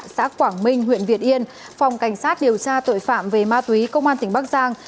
xã quảng minh huyện việt yên phòng cảnh sát điều tra tội phạm về ma túy công an tỉnh bắc giang